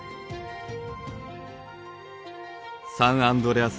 サンアンドレアス